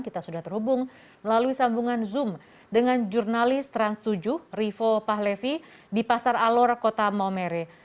kita sudah terhubung melalui sambungan zoom dengan jurnalis trans tujuh rivo pahlevi di pasar alor kota maumere